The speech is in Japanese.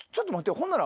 ほんなら。